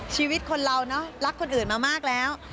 ชีวิตคนเราเนอะรักคนอื่นมามากแล้ว